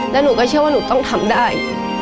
แล้วหนูก็เชื่อว่าหนูต้องทำได้